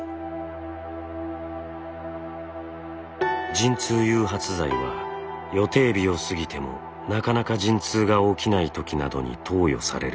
陣痛誘発剤は予定日を過ぎてもなかなか陣痛が起きないときなどに投与される薬です。